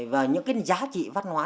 và những cái giá trị văn hóa